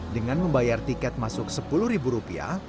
dengan membayar tiket masuk sepuluh ribu rupiah